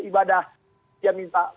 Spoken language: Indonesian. ibadah dia minta